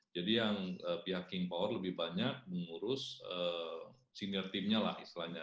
jadi yang pihak king power lebih banyak mengurus senior team nya lah istilahnya